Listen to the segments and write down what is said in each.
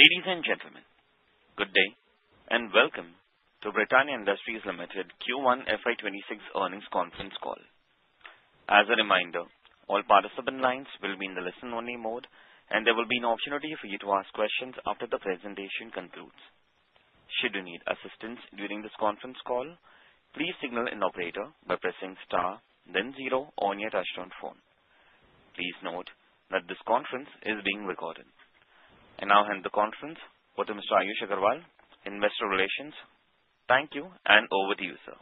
Ladies and gentlemen, good day and welcome to Britannia Industries Limited Q1 FY 2026 earnings conference call. As a reminder, all participant lines will be in the listen only mode, and there will be an opportunity for you to ask questions after the presentation concludes. Should you need assistance during this conference call, please signal an operator by pressing star then zero on your touch-tone phone. Please note that this conference is being recorded. I now hand the conference over to Mr. Ayush Agarwal, Investor Relations. Thank you, and over to you, sir.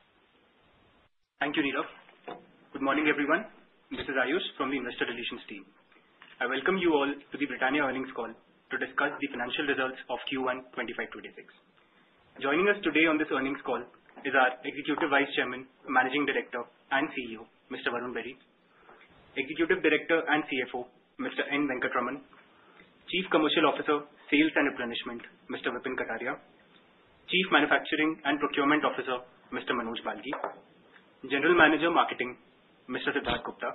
Thank you, Nirav. Good morning everyone. This is Ayush from the investor relations team. I welcome you all to the Britannia earnings call to discuss the financial results of Q1 2025-26. Joining us today on this earnings call is our Executive Vice Chairman, Managing Director and CEO Mr. Varun Berry, Executive Director and CFO Mr. N. Venkataraman, Chief Commercial Officer, Sales and Replenishment, Mr. Vipin Kataria, Chief Manufacturing and Procurement Officer, Mr. Manoj Balgi General Manager, Marketing, Mr. Siddharth Gupta,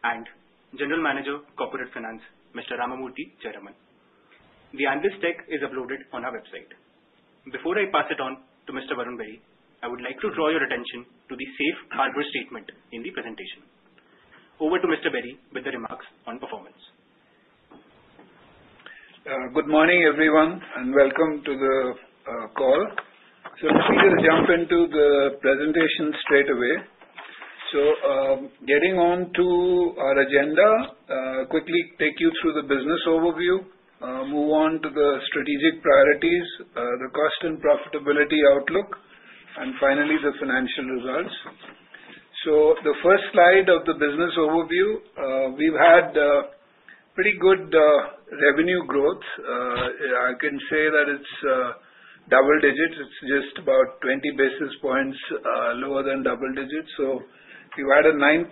General Manager, Marketing. General Manager, Corporate Finance, Mr. Ramamurthy Chairman. The analyst deck is uploaded on our website. Before I pass it on to Mr. Varun Berry, I would like to draw your attention to the Safe Harbor statement in the presentation. Over to Mr. Berry with the remarks on performance. Good morning everyone and welcome to the call. If we can jump into the presentation straight away, getting on to our agenda quickly, I'll take you through the business overview, move on to the strategic priorities, the cost and profitability outlook, and finally the financial results. The first slide of the business overview, we've had pretty good revenue growth. I can say that it's double digits. It's just about 20 basis points lower than double digits, so you added 9.8%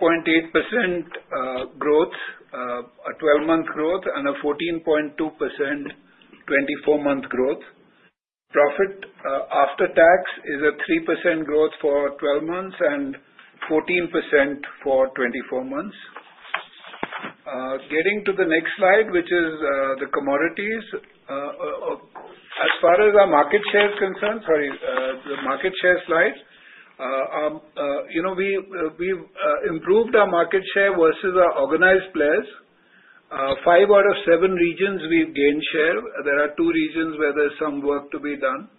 growth, a 12-month growth, and a 14.2% 24-month growth. Profit after tax is a 3% growth for 12 months and 14% for 24 months. Getting to the next slide, which is the commodities as far as our market share is concerned. The market share slides show we improved our market share versus our organized players. In 5 out of 7 regions we've gained share. There are 2 regions where there's some work to be done.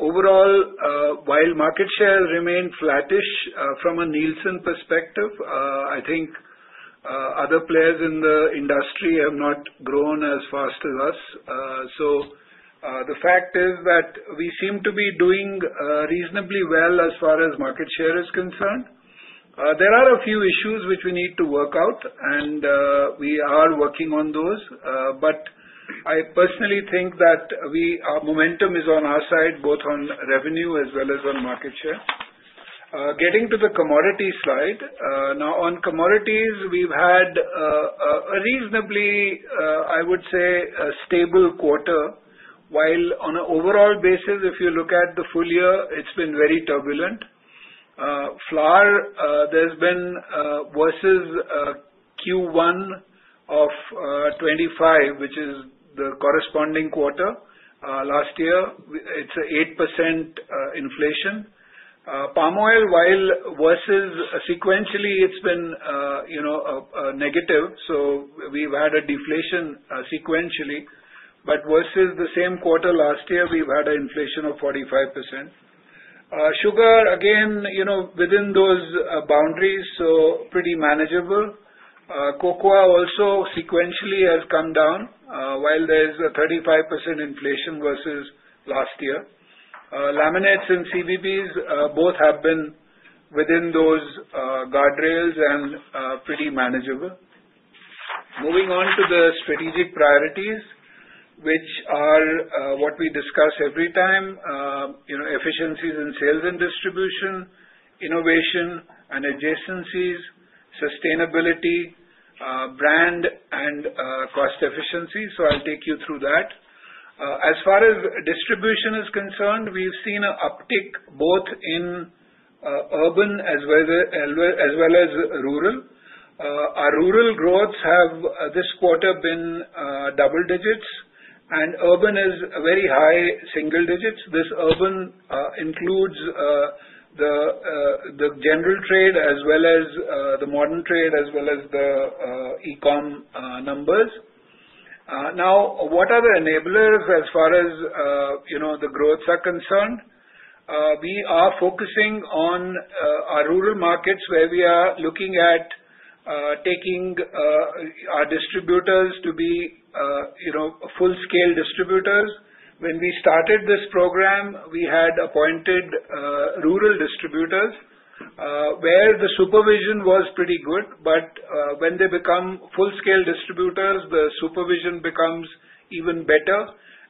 Overall, while market share remained flattish from a Nielsen perspective, I think other players in the industry have not grown as fast as us. The fact is that we seem to be doing reasonably well as far as market share is concerned. There are a few issues which we need to work out and we are working on those. I personally think that our momentum is on our side both on revenue as well as on market share. Getting to the commodity side now, on commodities we've had a reasonably, I would say, stable quarter. On an overall basis, if you look at the full year, it's been very turbulent. Flour, there's been, versus Q1 of 2025, which is the corresponding quarter last year, it's an 8% inflation. Palm oil, while versus sequentially it's been negative, so we've had a deflation sequentially, but versus the same quarter last year we've had an inflation of 45%. Sugar, again, within those boundaries, so pretty manageable. Cocoa also sequentially has come down while there's a 35% inflation versus last year. Laminates and CBBs both have been within those guardrails and pretty manageable. Moving on to the strategic priorities, which are what we discuss every time: efficiencies in sales and distribution, innovation and adjacencies, sustainability, brand, and cost efficiency. I'll take you through that. As far as distribution is concerned, we've seen an uptick both in urban as well as rural. Our rural growths have this quarter been double digits and urban is very high single digits. This urban includes the general trade as well as the modern trade as well as the e-commerce numbers. Now what are the enablers as far as the growths are concerned? We are focusing on our rural markets where we are looking at taking our distributors to be, you know, full scale distributors. When we started this program we had appointed rural distributors where the supervision was pretty good. When they become full scale distributors the supervision becomes even better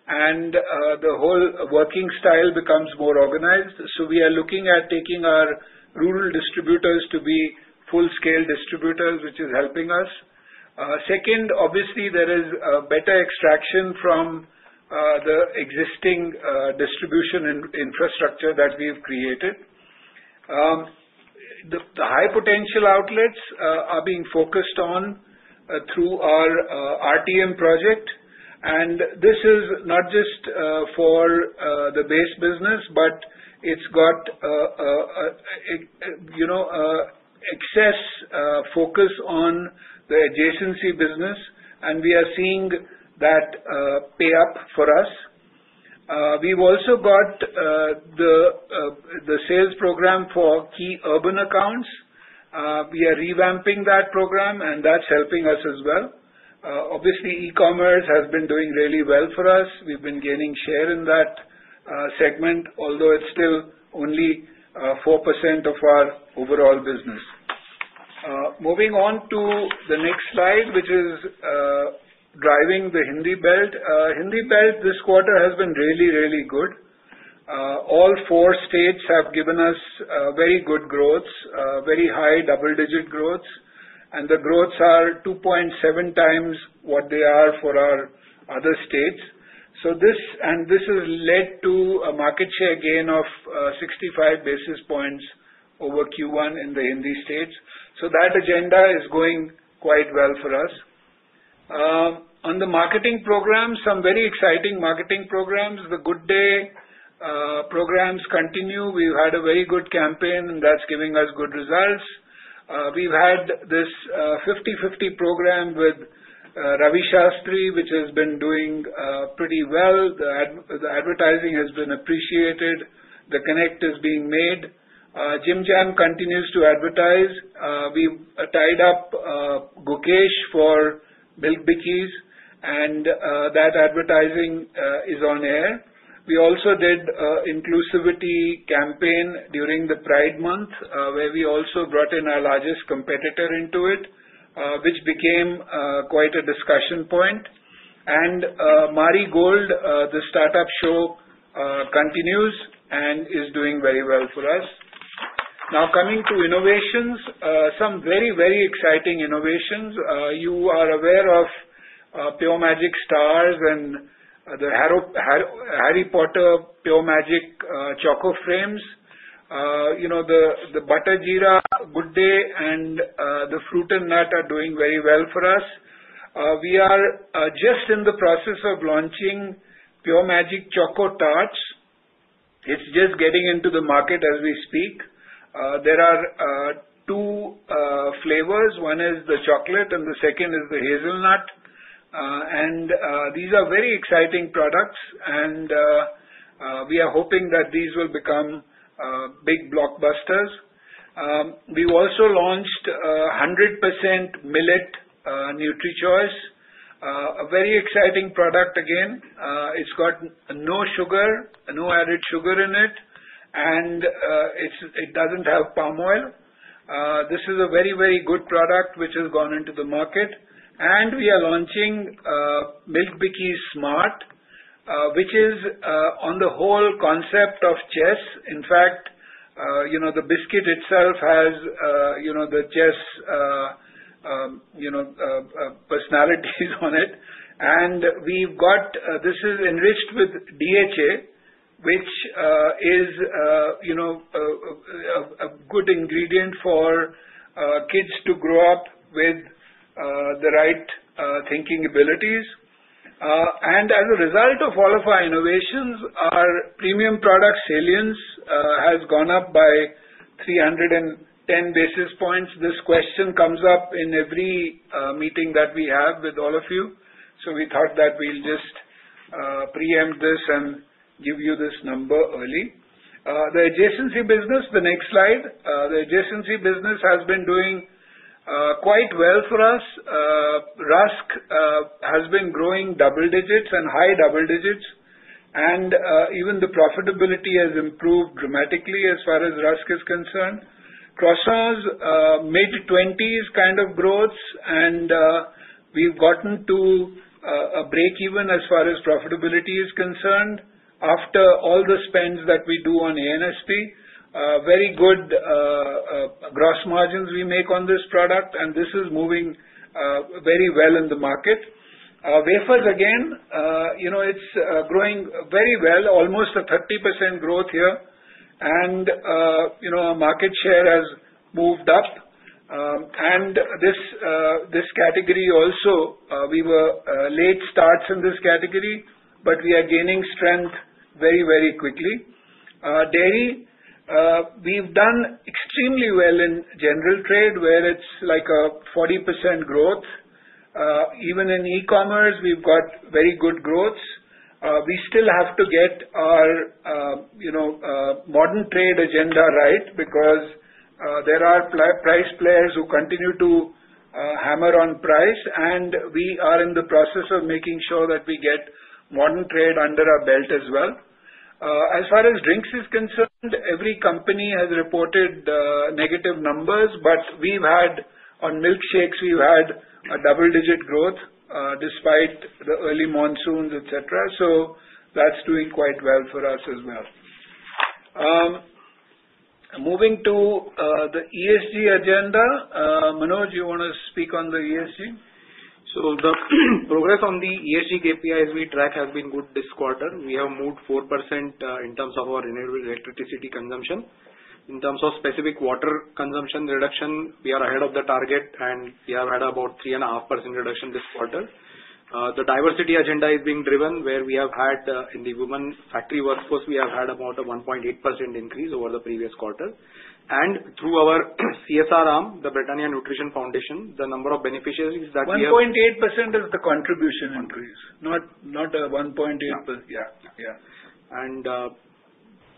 and the whole working style becomes more organized. We are looking at taking our rural distributors to be full scale distributors which is helping us. Second, obviously there is better extraction from the existing distribution infrastructure that we have created. The high potential outlets are being focused on through our RTM project. This is not just for the base business but it's got, you know, excess focus on the adjacency businesses and we are seeing that pay up for us. We've also got the sales program for key urban accounts. We are revamping that program and that's helping us as well. Obviously e-commerce has been doing really well for us. We've been gaining share in that segment although it's still only 4% of our overall business. Moving on to the next slide which is driving the Hindi belt. Hindi belt. This quarter has been really, really good. All four states have given us very good growths, very high double digit growths and the growths are 2.7x what they are for our other states. This has led to a market share gain of 65 basis points over Q1 in the Hindi states. That agenda is going quite well for us on the marketing program. Some very exciting marketing programs. The Good Day programs continue. We've had a very good campaign and that's giving us good results. We've had this 50/50 program with Ravi Shastri which has been doing pretty well. The advertising has been appreciated. The connect is being made. Jim Jam continues to advertise. We tied up Gokesh for Milk Bikis and that advertising is on air. We also did inclusivity campaign during the Pride month where we also brought in our largest competitor into it which became quite a discussion point. Marie Gold, the startup show continues and is doing very well for us. Now coming to innovations, some very, very exciting innovations. You are aware of Pure Magic Stars and the Harry Potter Pure Magic Choco Frames, the Butter Jeera Good Day and the Fruit and Nut are doing very well for us. We are just in the process of launching Pure Magic Choco Tarts. It's just getting into the market as we speak. There are two flavors. One is the chocolate and the second is the hazelnut. These are very exciting products and we are hoping that these will become big blockbusters. We also launched 100% millet NutriChoice, a very exciting product. Again, it's got no sugar, no added sugar in it and it doesn't have palm oil. This is a very, very good product which has gone into the market. We are launching Milk Bikis Smart which is on the whole concept of chess. In fact, the biscuit itself has the chess personalities on it and we've got this enriched with DHA which is a good ingredient for kids to grow up with the right thinking abilities. As a result of all of our innovations, our premium product salience has gone up by 310 basis points. This question comes up in every meeting that we have with all of you. We thought that we'll just preempt this and give you this number early. The adjacency builders, the next slide. The adjacency business has been doing quite well for us. Rusk has been growing double digits and high double digits and even the profitability has improved dramatically as far as Rusk is concerned. Croissants, mid-20s kind of growths and we've gotten to a break even as far as profitability is concerned. After all the spends that we do on ANSP, very good gross margins we make on this product and this is moving very well in the market. Wafers again, it's growing very well almost a 30% growth here and our market share has moved up. In this category also, we were late starts in this category but we are gaining strength very, very quickly. Dairy, we've done extremely well in general trade where it's like a 40% growth. Even in e-commerce we've got very good growths. We still have to get our modern trade agenda right because there are price players who continue to hammer on price and we are in the process of making sure that we get modern trade under our belt as well. As far as drinks is concerned, every company has reported negative numbers but we've had on milkshakes, we've had a double digit growth despite the early monsoons, etc. That's doing quite well for us as well. Moving to the ESG agenda. Manoj, you want to speak on the ESG. The progress on the ESG KPI as we track has been good this quarter. We have moved 4% in terms of our renewable electricity consumption. In terms of specific water consumption reduction, we are ahead of the target, and we have had about a 3.5% reduction this quarter. The diversity agenda is being driven where we have had, in the women's factory workforce, about a 1.8% increase over the previous quarter. Through our CSR arm, the Britannia Nutrition Foundation, the number of beneficiaries that 1.8%. 1.8% of the contribution increase, not 1.8%. Yeah.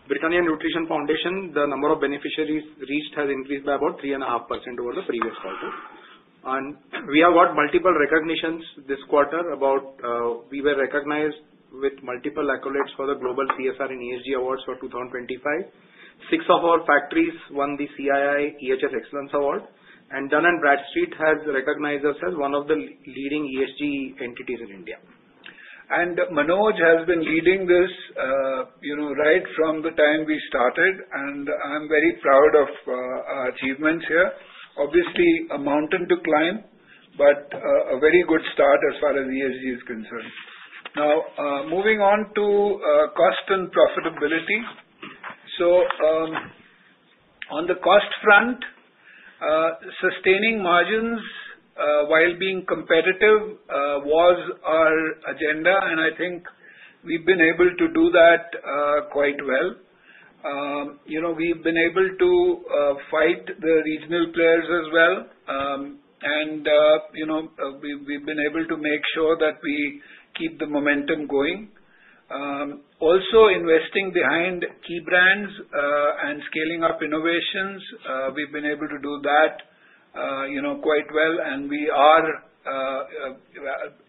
Britannia Nutrition Foundation, the number of beneficiaries reached has increased by about 3.5% over the previous call book. We have got multiple recognitions this quarter. We were recognized with multiple accolades for the global CSR and ESG awards for 2025. Six of our factories won the CII EHS Excellence Award, and Dun and Bradstreet has recognized us as one of the leading ESG entities in India. Manoj has been leading this right from the time we started. I'm very proud of our achievements here. Obviously, a mountain to climb, but a very good start as far as ESG is concerned. Now, moving on to cost and profitability. On the cost front, sustaining margins while being competitive was our agenda, and I think we've been able to do that quite well. We've been able to fight the regional players as well, and we've been able to make sure that we keep the momentum going, also investing behind key brands and scaling up innovations. We've been able to do that quite well, and we are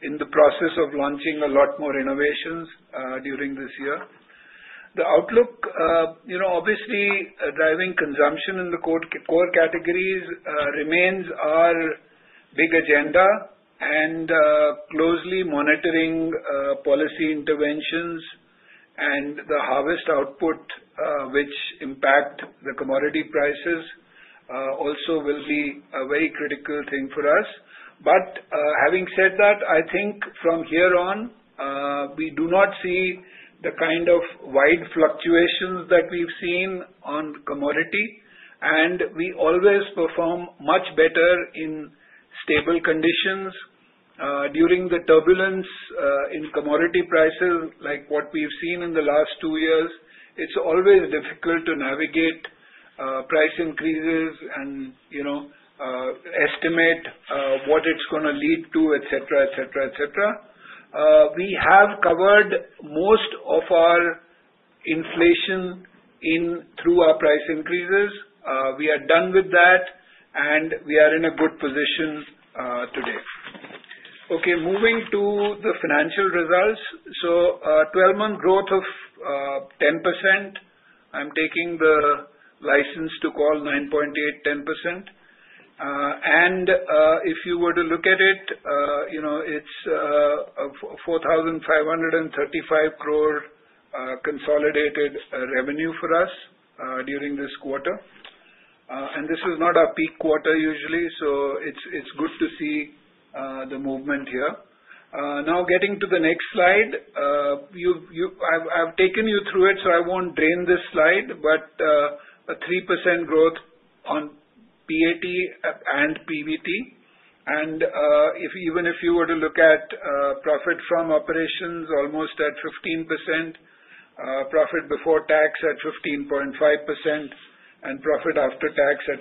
in the process of launching a lot more innovations during this year. The outlook, you know, obviously driving consumption in the core categories remains our big agenda. Closely monitoring policy interventions and the harvest output which impact the commodity prices also will be a very critical thing for us. Having said that, I think from here on we do not see the kind of wide fluctuations that we've seen on commodity and we always perform much better in stable conditions during the turbulence in commodity prices like what we've seen in the last two years. It's always difficult to navigate price increases and, you know, estimate what it's going to lead to, etc. We have covered most of our inflation through our price increases. We are done with that and we are in a good position today. Okay, moving to the financial results. So 12-month growth of 10%. I'm taking the license to call 9.8%, 10%. If you were to look at it, you know it's 4,535 crore consolidated revenue for us during this quarter and this is not our peak quarter usually. It's good to see the movement here. Now getting to the next slide. I've taken you through it so I won't drain this slide, but a 3% growth on PAT and PBT. Even if you were to look at profit from operations almost at 15%, profit before tax at 15.5%, and profit after tax at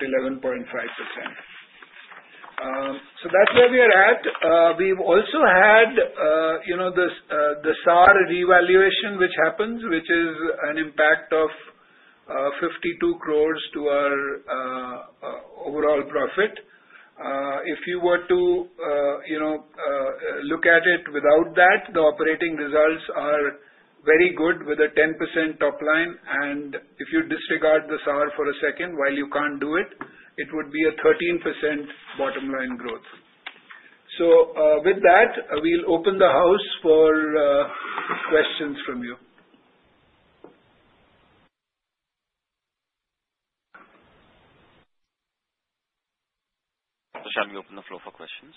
11.5%. That's where we are at. We've also had, you know, this, the SAR revaluation which happens which is an impact of 52 crore to our overall profit. If you were to, you know, look at it without that, the operating results are very good with a 10% top line and if you disregard the SAR for a second, while you can't do it, it would be a 13% bottom line growth. With that, we'll open the house for questions from you. Shall we open the floor for questions?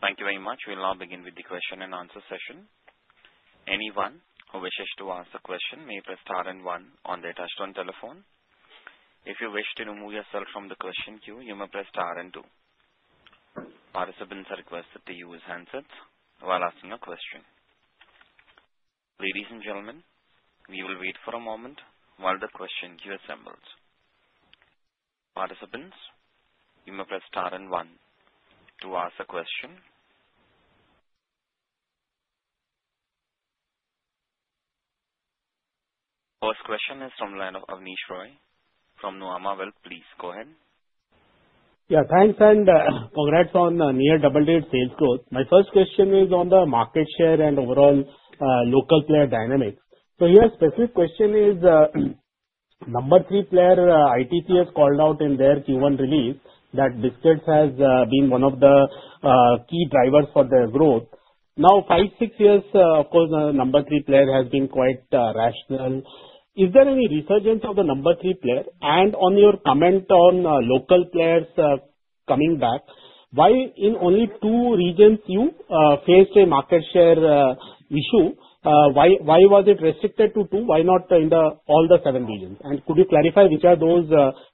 Thank you very much. We'll now begin with the question and answer session. Anyone who wishes to ask a question may press star and one on the attached to the telephone. If you wish to remove yourself from the question queue, you may press star and two. Participants are requested to use handsets while asking a question. Ladies and gentlemen, we will wait for a moment while the question queue assembles. Participants, you may press star and one to ask a question. First question is from the line of Abneesh Roy from Nuvama. Please go ahead. Yeah, thanks. Congrats on near double digit sales growth. My first question is on the market share and overall local player dynamic. Your specific question is number three player, ITC has called out in their Q1 release that biscuits has been one of the key drivers for their growth. Now, five, six years, of course, number three player has been quite rational. Is there any resurgence of the number three player? On your comment on local players coming back, why in only two regions you faced a market share issue? Why was it restricted to two? Why not in all the seven regions? Could you clarify which are those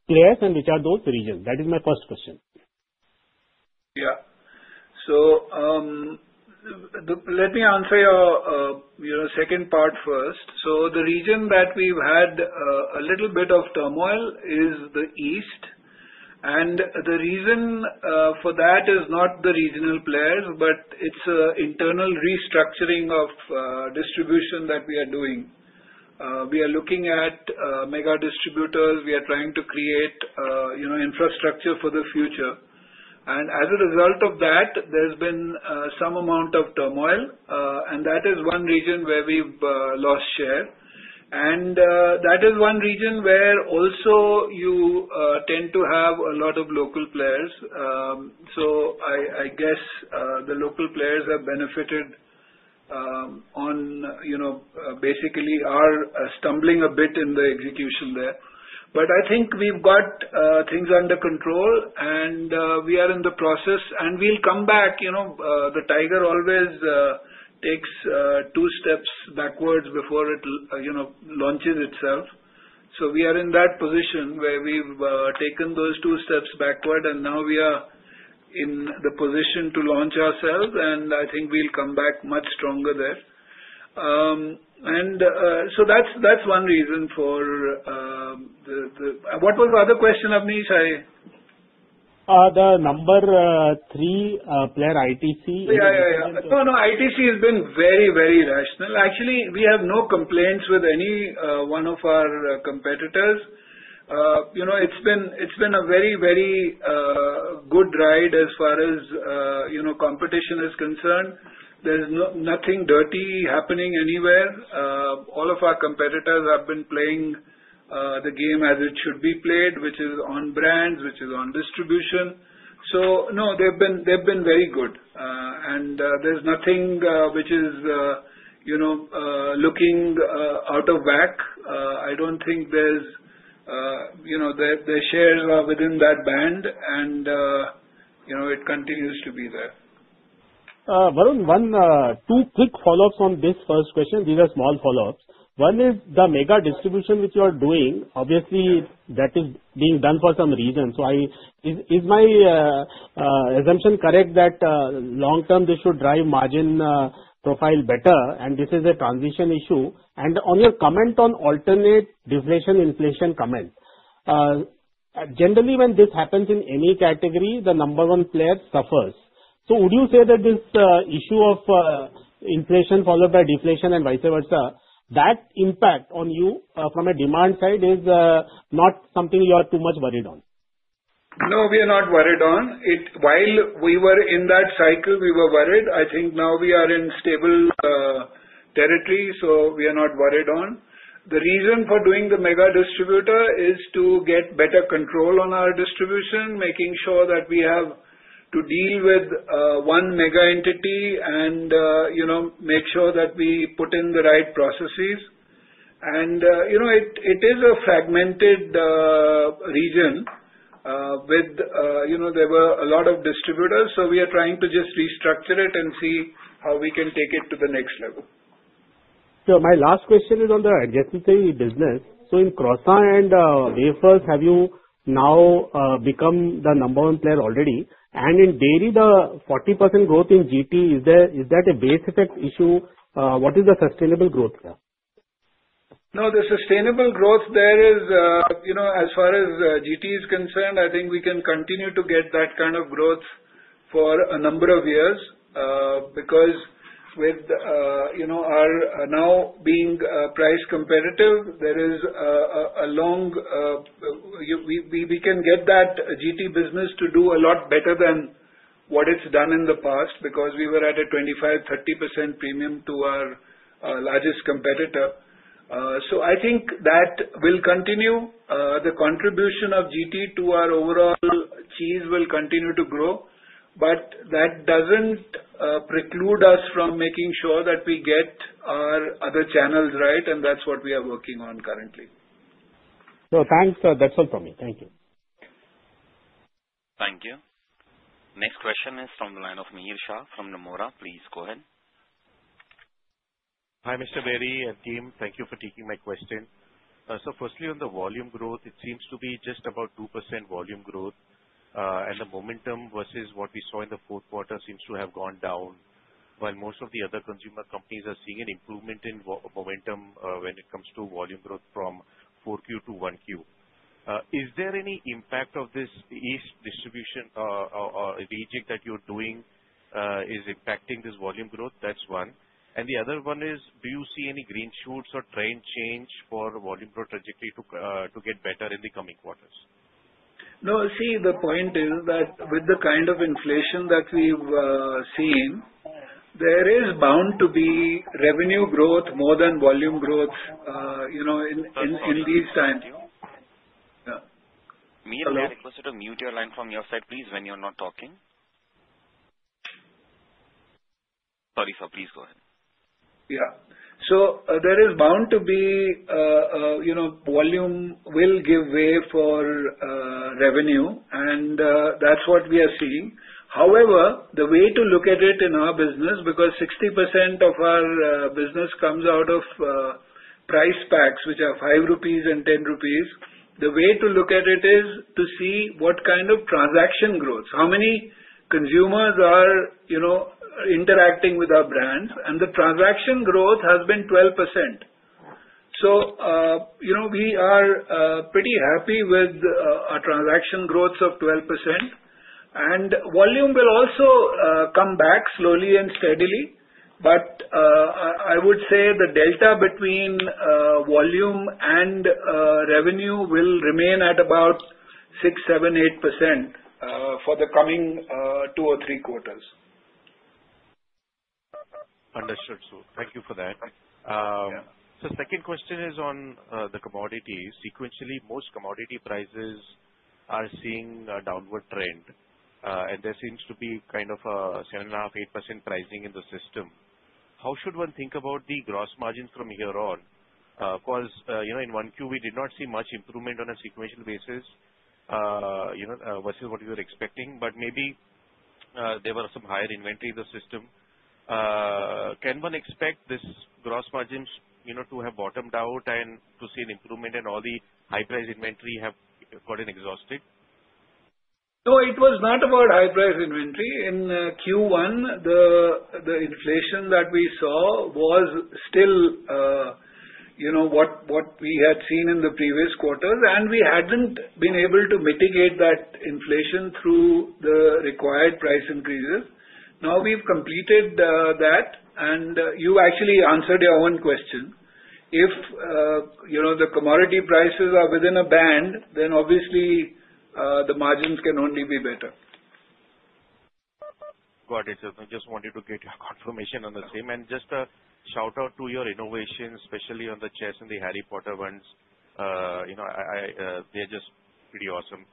players and which are those regions? That is my first question. Let me answer your second part first. The region that we've had a little bit of turmoil is the East. The reason for that is not the regional players, but it's an internal restructure of distribution that we are doing. We are looking at mega distributors and trying to create infrastructure for the future. As a result of that, there's been some amount of turmoil. That is one region where we've lost share and that is one region where also you tend to have a lot of local players. I guess the local players have benefited on basically our stumbling a bit in the execution there. I think we've got things under control and we are in the process and we'll come back. The Tiger always takes two steps backwards before it launches itself. We are in that position where we've taken those two steps backward and now we are in the position to launch ourselves. I think we'll come back much stronger there. That's one reason for the— What was the other question Abneesh? The number three player ITC. Yeah, yeah, no, no, ITC has been very, very rational, actually. We have no complaints with any one of our competitors. You know, it's been a very, very good ride as far as, you know, competition is concerned. There's nothing dirty happening anywhere. All of our competitors have been playing the game as it should be played, which is on brands, which is on distribution. They've been very good. There's nothing which is, you know, looking out of whack. I don't think there's, you know, the shares are within that band, and it continues to be there. Varun, one, two quick follow-ups on this first question. These are small follow-ups. One is the mega distribution which you are doing. Obviously, that is being done for some reason. Is my assumption correct that long term they should drive margin profile better? This is a transition issue. On your comment on alternate deflation inflation comment, generally when this happens in any category, the number one player suffers. Would you say that this issue of inflation followed by deflation and vice versa, that impact on you from a demand side is not something you are too much worried on? No, we are not worried. While we were in that cycle, we were worried. I think now we are in stable territory, so we are not worried. The reason for doing the mega distributor is to get better control on our distribution, making sure that we have to deal with one mega entity and make sure that we put in the right processes. It is a fragmented region with a lot of distributors, so we are trying to just restructure it and see how we can take it to the next level. My last question is on the adjacency business. In Croissants and Wafers, have you now become the number one player already? In dairy, the 40% growth in GT is there, is that a base effects issue? What is the sustainable growth here now? The sustainable growth there is, you know, as far as GT is concerned, I think we can continue to get that kind of growth for a number of years because with, you know, our now being price competitive, there is a long way we can get that GT business to do a lot better than what it's done in the past because we were at a 25%-30% premium to our largest competitor. I think that will continue. The contribution of GT to our overall cheese will continue to grow. That doesn't preclude us from making sure that we get our other channels right. That's what we are working on currently. No thanks, that's all for me. Thank you. Thank you. Next question is from the line of Mihir Shah from Nomura. Please go ahead. Hi, Mr. Berry and team. Thank you for taking my question. Firstly, on the volume growth, it seems to be just about 2% volume growth, and the momentum versus what we saw in the fourth quarter seems to have gone down. While most of the other consumer companies are seeing an improvement in momentum when it comes to volume growth from 4Q to 1Q, is there any impact of this distribution or region that you're doing impacting this volume growth? That's one. The other one is, do you see any green shoots or trend change for volume growth trajectory to get better in the coming quarters. No, see the point is that with the kind of inflation that we've seen, there is bound to be revenue growth more than volume growth. You know, in these times. Mute your line from your side, please. Sorry sir, please go ahead. Yeah, there is bound to be, you know, volume will give way for revenue and that's what we are seeing. However, the way to look at it in our business, because 60% of our business comes out of price packs which are 5 rupees and 10 rupees, the way to look at it is to see what kind of transaction growth, how many consumers are interacting with our brands. The transaction growth has been 12%. We are pretty happy with our transaction growth of 12%, and volume will also come back slowly and steadily. I would say the delta between volume and revenue will remain at about 6%, 7%, 8% for the coming two or three quarters. Understood, sir. Thank you for that. Second question is on the commodities. Sequentially, most commodity prices are seeing a downward trend, and there seems to be kind of a 7.5%, 8% pricing in the system. How should one think about the gross margins from here on? In Q1, we did not see much improvement on a sequential basis versus what you were expecting. Maybe there were some higher inventory in the system. Can one expect these gross margins to have bottomed out and to see an improvement if all the high price inventory has gotten exhausted? No, it was not about high price inventory. In Q1, the inflation that we saw was still, you know, what we had seen in the previous quarter. We hadn't been able to mitigate that inflation through the required price increases. Now we've completed that, and you actually answered your own question. If you know the commodity prices are within a band, then obviously the margins can only be better. Got it. I just wanted to get your confirmation on the same, and just a shout out to your innovations, especially on the chess and the Harry Potter ones, you know, they're just pretty awesome.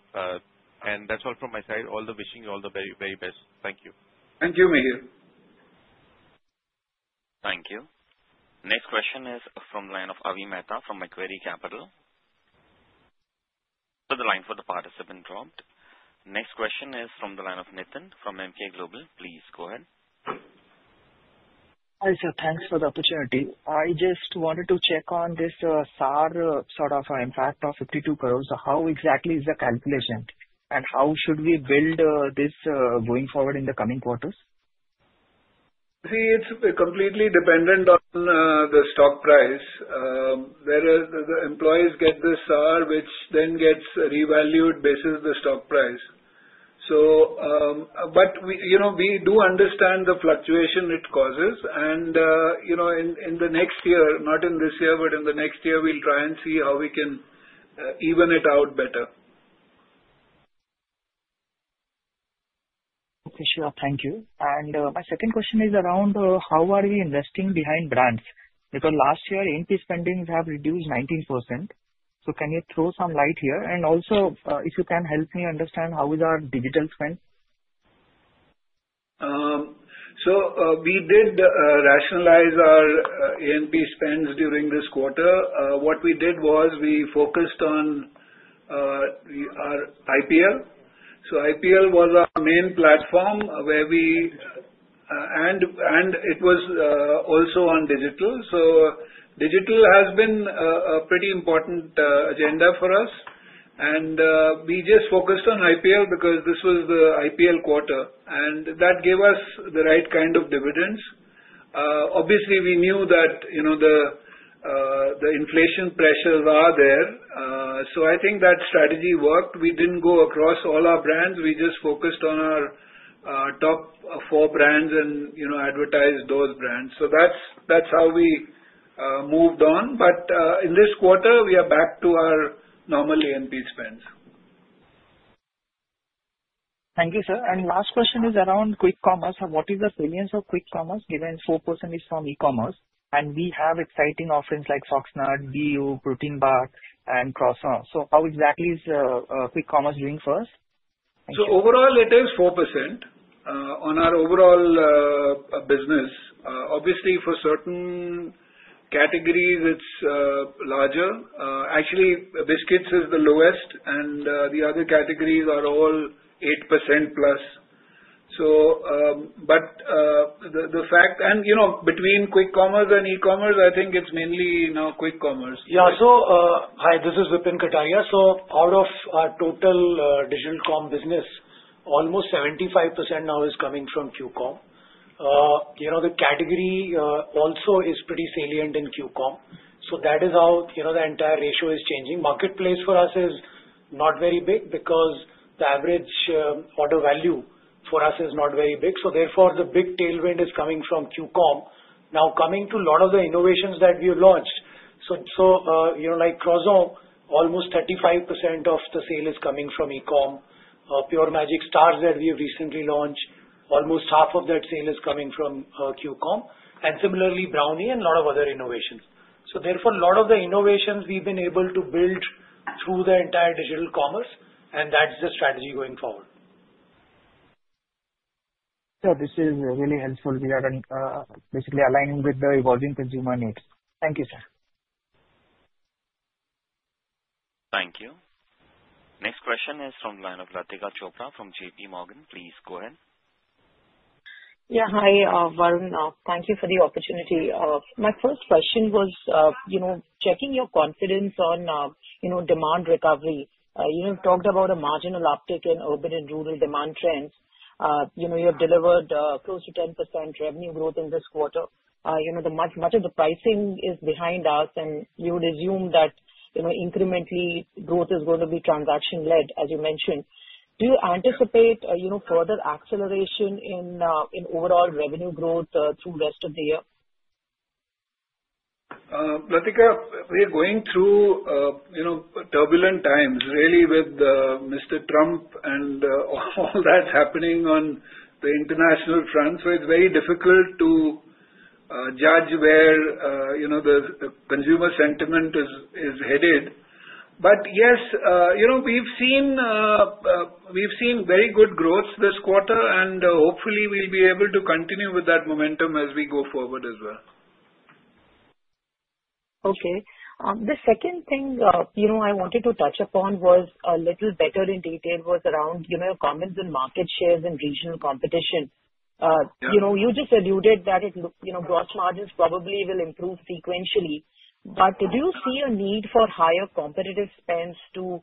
That's all from my side all the wishing you all the very best. Thank you, Thank you, Mihir. Thank you. Next question is from the line of Avi Mehta from Macquarie Capital. The line for the participant dropped. Next question is from the line of Nitin from MK Global. Please go ahead. Hi sir, thanks for the opportunity I just wanted to check on this SAR sort of impact of 52 crore. How exactly is the calculation, and how should we build this going forward in the coming quarters? See, it's completely dependent on the stock price where the employees get this SAR, which then gets revalued basis the stock price. We do understand the fluctuation it causes. In the next year, not in this year, but in the next year, we'll try and see how we can even it out better. Okay, sure. Thank you. My second question is around how are we investing behind brands? Because last year NP spendings have reduced 19%. Can you throw some light here? Also, if you can help me understand how is our digital spend. We did rationalize our NP spends during this quarter. What we did was we focused on, we are IPL. IPL was a main platform where we, and it was also on digital. Digital has been a pretty important agenda for us. We just focused on IPL because this was the IPL quarter and that gave us the right kind of dividends. Obviously we knew that the inflation pressures are there. I think that strategy worked. We didn't go across all our brands. We just focused on our top four brands and advertised those brands. That's how we moved on. In this quarter we are back to our normal A&P spends. Thank you, sir. Last question is around quick commerce. What is the salience of quick commerce given 4% is from e-commerce? We have exciting offerings like Foxnut, BU, Protein Bar and Crosshorn. How exactly is quick commerce doing first? Overall, it is 4% on our overall business. Obviously, for certain categories it's larger. Actually, biscuits is the lowest and the other categories are all 8%+. The fact is, between quick commerce and e-commerce, I think it's mainly quick commerce. Yeah. So hi, this is Vipin Kataria. Out of our total digital commerce business, almost 75% now is coming from QCOM. The category also is pretty salient in QCOM. That is how the entire ratio is changing. Marketplace for us is not very big because the average order value for us is not very big. Therefore, the big tailwind is coming from QCOM. Now, coming to a lot of the innovations that we have launched, like Croissant, almost 35% of the sale is coming from e-commerce. Pure Magic Stars that we have recently launched, almost half of that sale is coming from QCOM, and similarly Brownie and a lot of other innovations. Therefore, a lot of the innovations we've been able to build through the entire digital commerce and that's the strategy going forward. This is really helpful. We are basically aligning with the evolving consumer needs. Thank you, sir. Thank you. Next question is from line of Latika Chopra from JPMorgan. Please go ahead. Yeah. Hi Varun. Thank you for the opportunity. My first question was, you know, checking your confidence on demand recovery. You talked about a marginal uptick in urban and rural demand trends. You have delivered close to 10% revenue growth in this quarter. Much of the pricing is behind us you would assume that incrementally growth Is going to be transaction led. As you mentioned, do you anticipate further acceleration in overall revenue growth through rest of the year? We're going through turbulent times really with Mr. Trump and all that's happening on the international front. It is very difficult to judge where the consumer sentiment is headed. Yes, we've seen very good growth this quarter and hopefully we'll be able to continue with that momentum as we go forward as well. Okay. The second thing I wanted to touch upon in a little better detail was around your comments and market shares and regional competition. You just alluded that gross margins probably will improve sequentially. Did you see a need for higher competitive spends to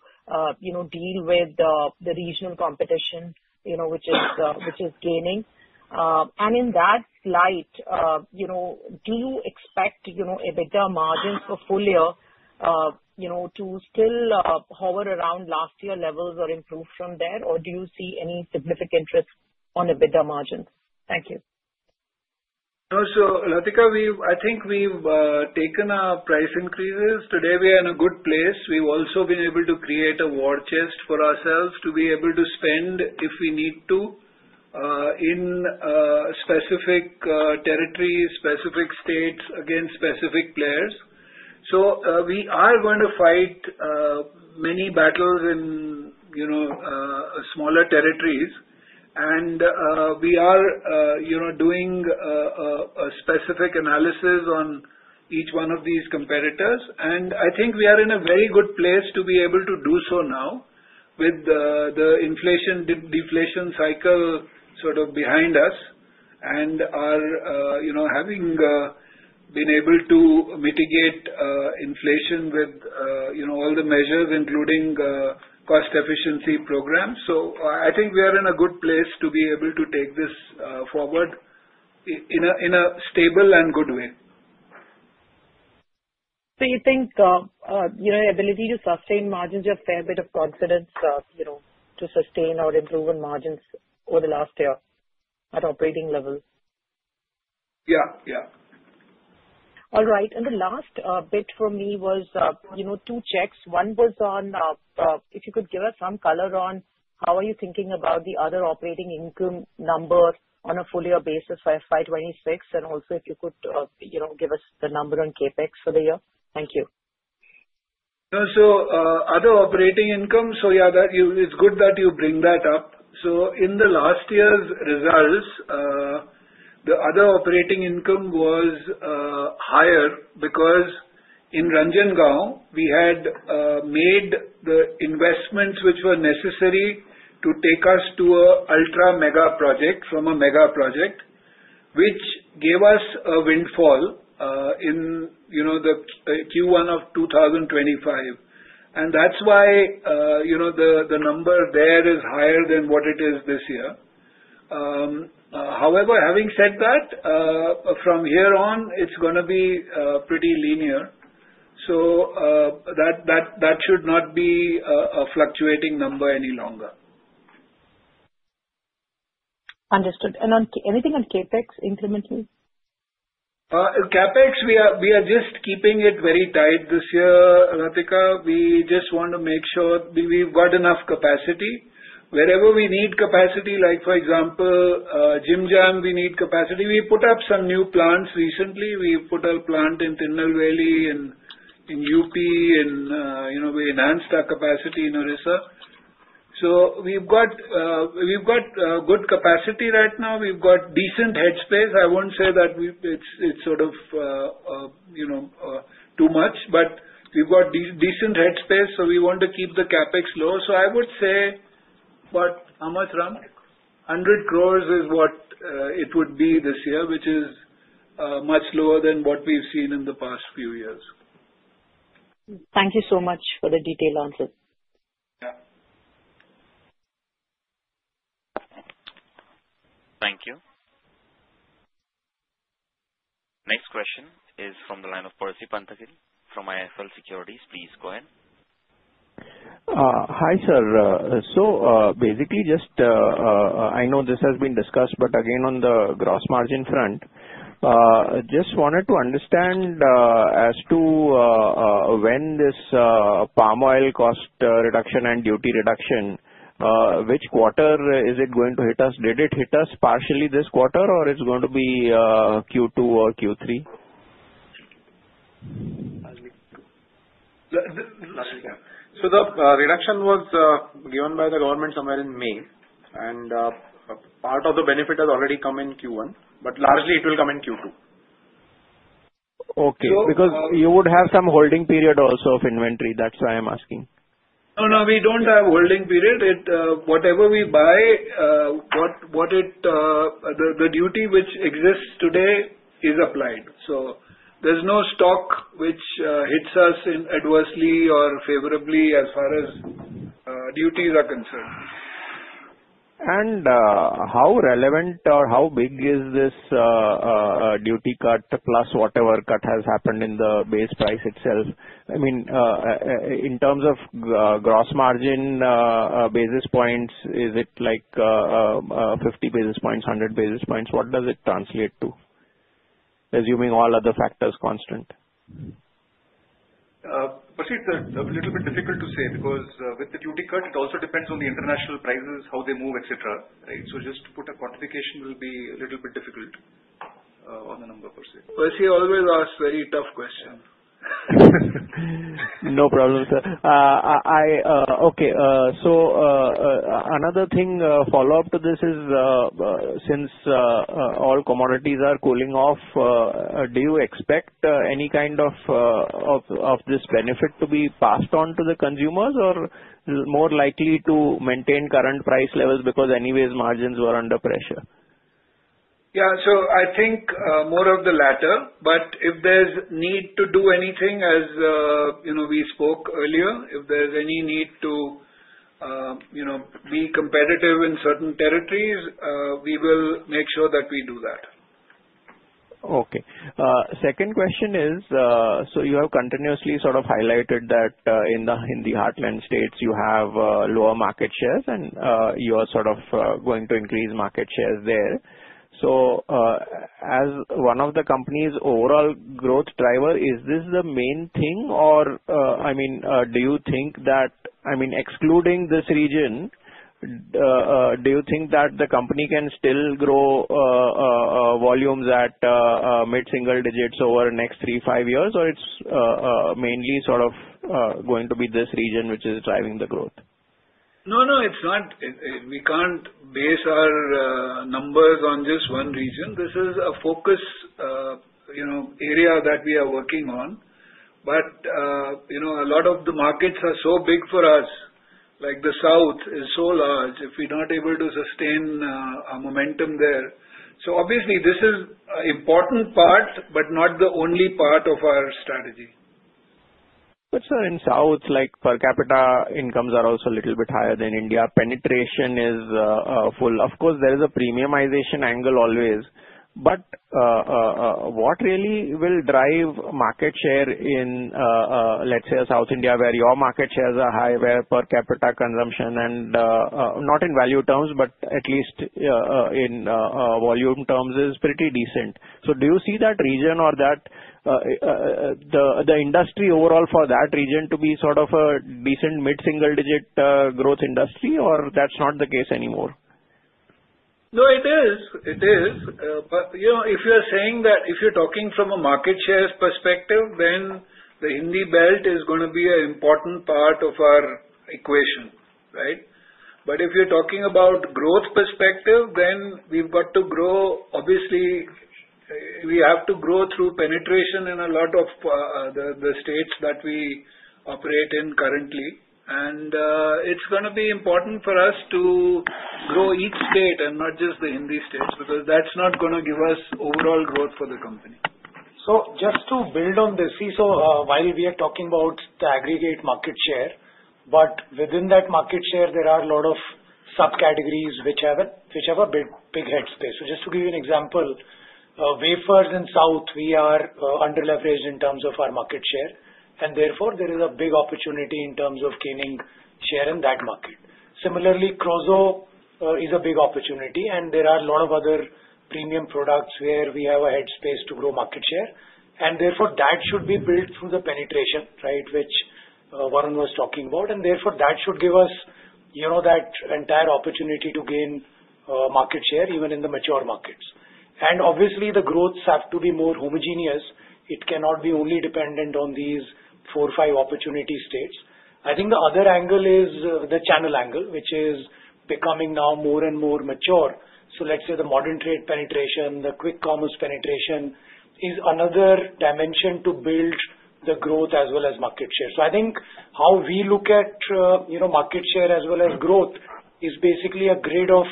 deal with the regional competition, which is gaining? In that light, do you expect EBITDA margins for the full year to still hover around last year levels or improve from there, or do you see any significant risk on EBITDA margin? Thank you. Latika, I think we've taken our price increases today. We are in a good place. We've also been able to create a war chest for ourselves to be able to spend if we need to, in specific territories, specific states against specific players. We are going to fight many battles in smaller territories and we are doing a specific analysis on each one of these competitors. I think we are in a very good place to be able to do so now with the inflation deflation cycle sort of behind us and having been able to mitigate inflation with all the measures including cost efficiency programs. I think we are in a good place to be able to take this forward in a stable and good way. Do you think ability to sustain margins, a fair bit of confidence to sustain or improve on margins over the last year at operating level? Yeah, yeah. All right. The last bit for me was two checks. One was on if you could give us some color on how you are thinking about the other operating income number on a full year basis by FY 2026, and also if you could give us the number on CapEx for the year. Thank you. Other operating income, it's good that you bring that up. In last year's results, the other operating income was higher because in Ranjangaon we had made the investments which were necessary to take us to an ultra mega project from a mega project, which gave us a windfall in the Q1 of 2025, and that's why the number there is higher than what it is this year. However, having said that, from here on it's going to be pretty linear, so that should not be a fluctuating number any longer. Understood. Anything on CapEx, incrementally? CapEx. CapEx, we are just keeping it very tight this year, Latika. We just want to make sure we've got enough capacity. Wherever we need capacity, like for example Jim Jam, we need capacity. We put up some new plants recently. We put our plant in Tirthan Valley and in UP, and we're in non-stop capacity in Orissa. We've got good capacity right now. We've got decent headspace. I won't say that it's too much, but we've got decent headspace, so we want to keep the CapEx low. I would say, how much, Ram? 100 crore is what it would be this year, which is much lower than what we've seen in the past few years. Thank you so much for the detailed answer. Thank you. Next question is from the line of Percy Panthaki from IIFL Securities. Please go in. Hi sir. Basically, I know this has been discussed, but again on the gross margin front, just wanted to understand as to when this palm oil cost reduction and duty reduction, which quarter is it going to hit us? Did it hit us partially this quarter, or it's going to be Q2 or Q3? The reduction was given by the government somewhere in May and part of the benefit has already come in Q1, but largely it will come in Q2. Okay. Because you would have some holding period also of inventory. That's why I'm asking. Oh no, we don't have holding period. Whatever we buy, the duty which exists today is applied, so there's no stock which hits us adversely or favorably as far as duties are concerned. How relevant or how big is this duty cut plus whatever cut has happened to the base price itself, I mean in terms of gross margin basis points? Is it like 50 basis points, 100 basis points? What does it translate to, assuming all other factors are constant? It's a little bit difficult to say because with the tutor it also depends on the international prices, how they move, etc. Right. Just put a quantification, will be a little bit difficult on a number %. Percy always asks very tough questions. No problem, sir. Okay, another thing, follow up to this is since all commodities are cooling off, do you expect any kind of this benefit to be passed on to the consumers or more likely to maintain current price levels? Because anyways, margins were under pressure. Yeah, I think more of the latter. If there's need to do anything, as you know we spoke earlier, if there's any need to be competitive in certain territories, we will make sure that we do that. Okay, second question is, you have continuously sort of highlighted that in the Hindi belt states you have lower market shares and you are going to increase market share there are as one of the company's overall growth drivers, is this the main thing, or do you think that, excluding this region, the company can still grow volumes at mid single digits over the next three to five years, or is it mainly going to be this region which is driving the growth? No, no, it's not. We can't base our numbers on just one region. This is a focus area that we are working on, but a lot of the markets are so big for us, like the south is so large, if we're not able to sustain our momentum there. This is an important part, but not the only part of our strategy. In south, per capita incomes are also a little bit higher than India. Penetration is full. Of course, there is a premiumization angle always. What really will drive market share in, let's say, south India where your market shares are high, where per capita consumption, and not in value terms but at least in volume terms, is pretty decent? Do you see that region or the industry overall for that region to be sort of a decent mid single digit growth industry or that's not the case anymore? No, it is, it is. You know, if you're saying that if you're talking from a market share perspective, then the Hindi belt is going to be an important part of our equation. Right. If you're talking about growth perspective, then we've got to grow. Obviously, we have to grow through penetration in a lot of the states that we operate in currently. It's going to be important for us to grow each state and not just the Hindi states because that's not going to give us overall growth for the company. To build on this, while we are talking about the aggregate market share, within that market share there are a lot of subcategories which have a big, big head space. Just to give you an example, way further than south we are underleveraged in terms of our market share and therefore there is a big opportunity in terms of gaining share in that market. Similarly, Croissant is a big opportunity and there are a lot of other premium products where we have a head space to grow market share. That should be built through the penetration which Varun was talking about. That should give us that entire opportunity to gain market share. Even in the mature markets, obviously the growths have to be more homogeneous. It cannot be only dependent on these four, five opportunity states. The other angle is the channel angle which is becoming now more and more mature. Let's say the modern trade penetration, the quick commerce penetration is another dimension to build the growth as well as market share. How we look at market share as well as growth is basically a grid of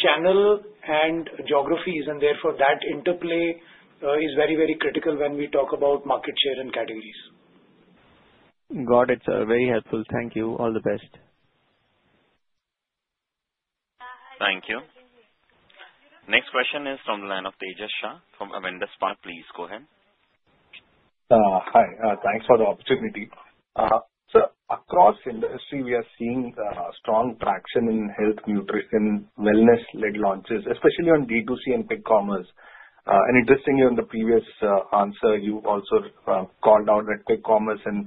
channel and geographies. That interplay is very, very critical when we talk about market share and categories. Got it, sir, Very helpful. Thank you. All the best. Thank you. Next question is from the line of Tejas Shah from Avendus Partners. Please go ahead. Hi. Thanks for the opportunity. Across industry we are seeing strong traction in health, nutrition, wellness-led launches, especially on D2C and big commerce. Interestingly, on the previous answer you also called out that big commerce and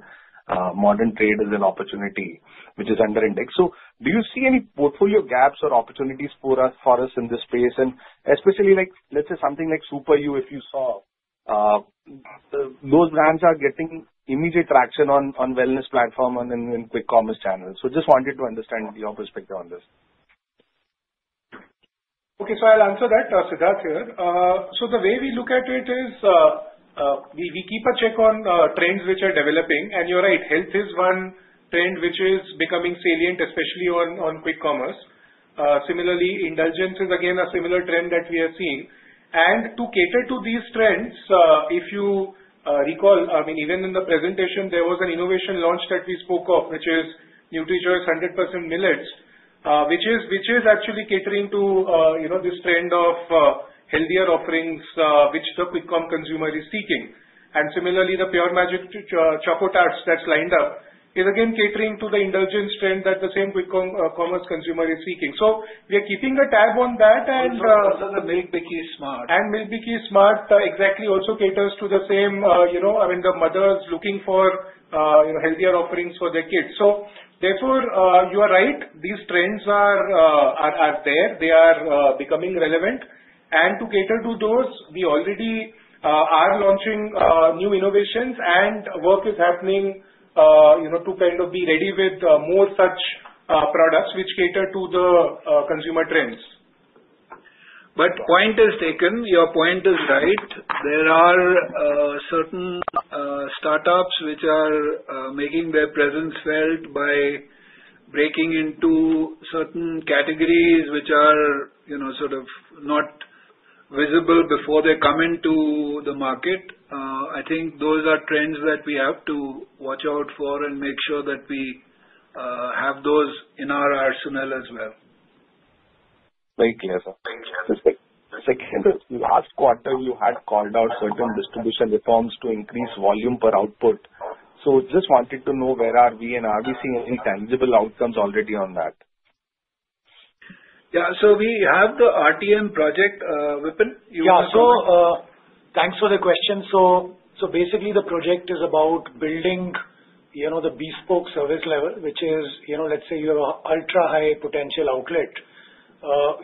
modern trade is an opportunity which is under-index. Do you see any portfolio gaps? there opportunities for us in this space, especially like let's say something like? Super, if you saw those brands are getting immediate traction on wellness platform and quick commerce channels. I just wanted to understand your perspective on this. Okay, I'll answer that. Siddharth here. The way we look at it is we keep a check on trends Which are developing, and you're right, health is one trend which is becoming salient especially on quick commerce similarly, indulgence is again a similar trend that we are seeing to cater to these trends, if you recall, I mean even in the presentation, there was an innovation launch that we spoke of, which is NutriChoice 100% millets, which is actually catering to this trend of healthier offerings which the quick commerce consumer is seeking. Similarly, the Pure Magic Choco Frames that's lined up is again catering to the indulgence trend that the same quick commerce consumer is seeking. So we are keeping a tab on that and make the key smart make the key smart. Exactly also caters to the same, you know, I mean, the mothers looking for you know, healthier offerings for their kids. Therefore, you are right, these trends they are becoming relevant. To cater to those, we already are launching new innovations and work is happening to kind of be ready with more such products which cater to the consumer trends. The point is taken. Your point is right. There are certain startups which are making their presence felt by breaking into certain categories which are, you know, sort of not visible before they come into the market. I think those are trends that we have to watch out for and make sure that we have those in our arsenal as well. Last quarter you had called out certain distribution reforms to increase volume per output. I just wanted to know where are we and are we seeing intangible outcomes already on that? We have the RTM project weapon. Yeah. Thanks for the question. Basically, the project is about building the bespoke service level, which is, let's say you have ultra high potential outlet.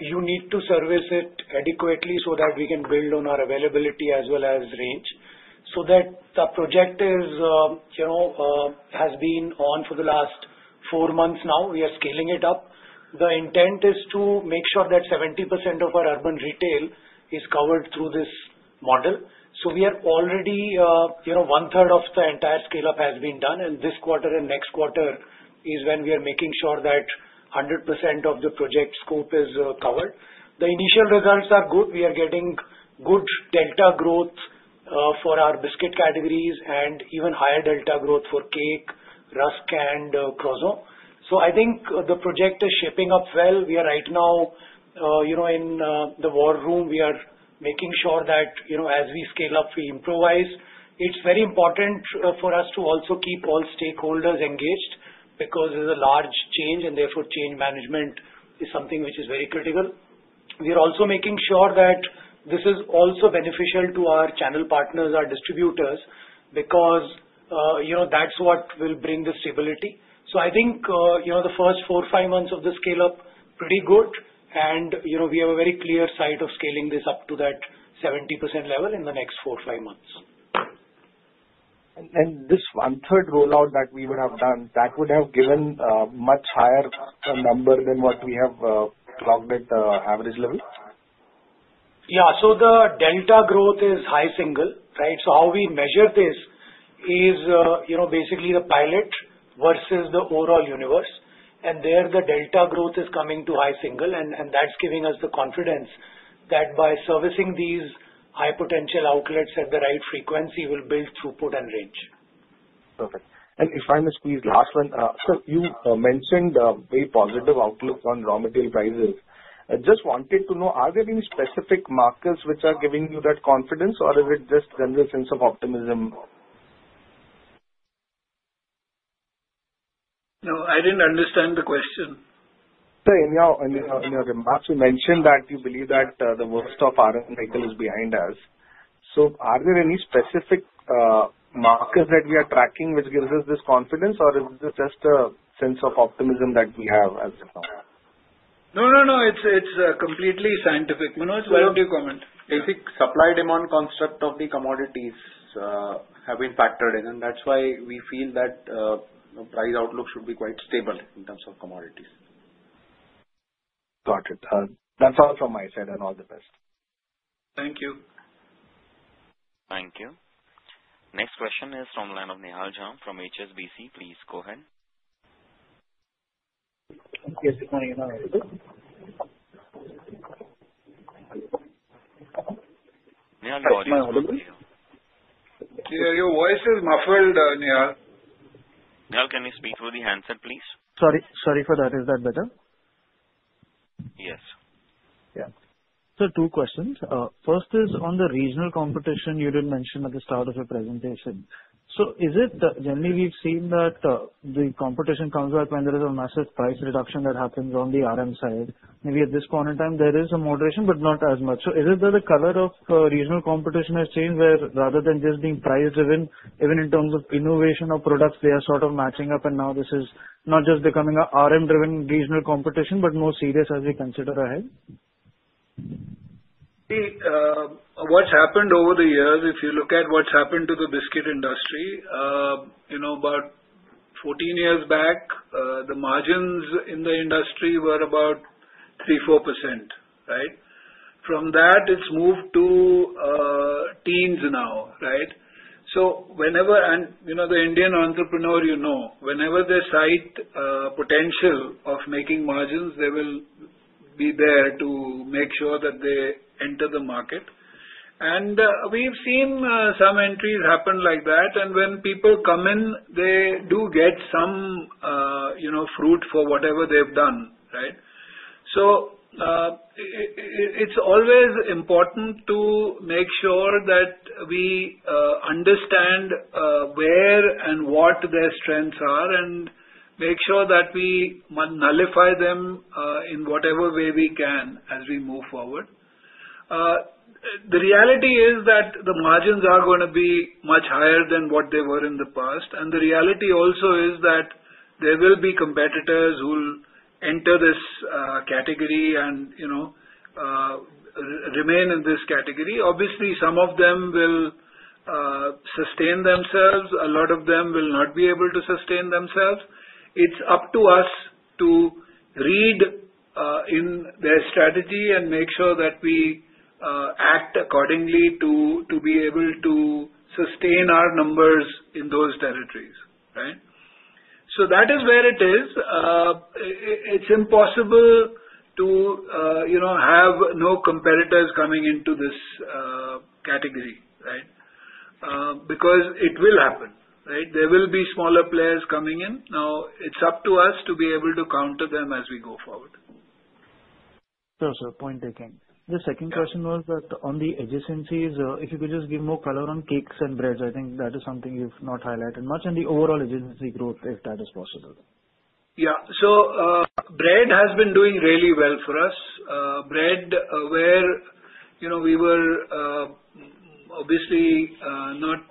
You need to service it adequately so that we can build on our availability as well as range. The project has been on for the last four months. Now we are scaling it up. The intent is to make sure that 70% of our urban retail is covered through this model. We are already, you know, one third of the entire scale up has been done. This quarter and next quarter is when we are making sure that 100% of the project scope is covered. The initial results are good. We are getting good delta growth for our biscuit categories and even higher delta growth for Cake, Rusk, and Croissant. I think the project is shaping up well. We are right now, you know, in the war room. We are making sure that, you know, as we scale up, we improvise. It's very important for us to also keep all stakeholders engaged because there's a large change and therefore change management is something which is very critical. We are also making sure that this is also beneficial to our channel partners, our distributors, because, you know, that's what will bring the stability. I think, you know, the first four, five months of the scale up are pretty good, and you know we have a very clear sight of scaling this up to that 70% level in the next four, five months. This 1/3 rollout that we would have done would have given a much higher number than what we have logged at average level. Yeah. The delta growth is high single. Right? We measure this basically as the pilot versus the overall universe. There the delta growth is coming to high single, and that's giving us the confidence that by servicing these high potential outlets at the right frequency, we'll build throughput and range. Okay. If I must, please, last one. You mentioned very positive outlook on raw material prices. Just wanting to know, are there any specific markers which are giving you that confidence, or if it just comes as a sense of optimism? No, I didn't understand the question. In your remarks you mentioned that you believe that the worst of R is behind us. Are there any specific markers that we are tracking which gives us this confidence or is this just a sense of optimism that we have as of now? No, no. It's completely scientific. Manoj, what would you comment? Basic supply demand construct of the commodities have been factored in, and that's why we feel that price outlook should be quite stable in terms of commodities. Got it. That's all from my side, and all the best. Thank you. Thank you. Next question is from the line of Nihal Jham from HSBC. Please go ahead. Your voice is muffled. Can you speak for the handset, please? Sorry for that is that better? Yes. Two questions. First is on the regional competition you didn't mention at the start of your presentation. Generally, we've seen that the competition comes up when there is a massive price reduction that happens on the RM side. Maybe at this point in time, there is a moderation but not as much is it that the color of regional competition has changed, where rather than just being price driven, even in terms of innovation or products, they are sort of matching up, and now this is not just becoming a RM-driven regional competition but more serious as we consider ahead. If you look at what's happened to the biscuit industry, about 14 years back the margins in the industry were about 3%, 4%. Right. From that it's moved to teens now. Right. Whenever the Indian entrepreneur cites potential of making margins, they will be there to make sure that they enter the market. We've seen some entries happen like that and when people come in they do get some fruit for whatever they've done. It's always important to make sure that we understand where and what their strengths are and make sure that we nullify them in whatever way we can as we move forward. The reality is that the margins are going to be much higher than what they were in the past. The reality also is that there will be competitors who will enter this category and remain in this category. Obviously some of them will sustain themselves. A lot of them will not be able to sustain themselves. It's up to us to read in their strategy and make sure that we act accordingly to be able to sustain our numbers in those territories. Right. That is where it is. It's impossible to, you know, have no competitors coming into this category. Right. Because it will happen. There will be smaller players coming in now. It's up to us to be able to counter them as we go forward. Again, the second question was that on the adjacencies, if you could just give more color on cakes and breads, I think that is something you've not highlighted much, and the overall adjacency growth, if that is possible. Yeah, so bread has been doing really well for us. Bread, where we were obviously not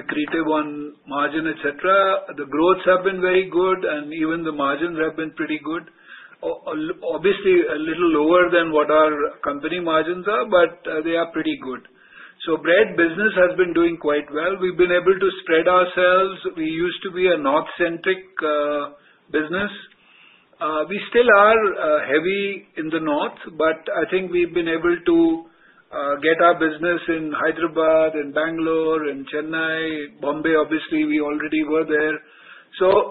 accretive on margin, etc. The growths have been very good, and even the margin have been pretty good. Obviously, a little lower than what our company margins are, but they are pretty good. Bread business has been doing quite well. We've been able to spread ourselves. We used to be a north-centric business. We still are heavy in the north, but I think we've been able to get our business in Hyderabad and Bangalore and Chennai, Bombay. Obviously, we already were there.